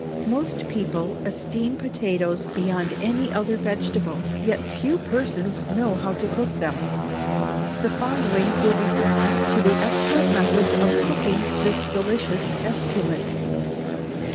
Most people esteem potatoes beyond any other vegetable, yet few persons know how to cook them. The following will be found to be excellent methods of cooking this delicious esculent. 1104.